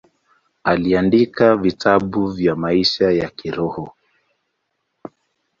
Aliandika vitabu vya maisha ya kiroho.